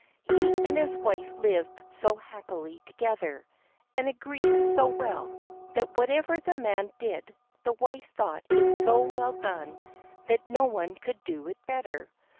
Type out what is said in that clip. He and his wife lived so happily together, and agreed so well, that whatever the man did the wife thought it so well done that no one could do it better.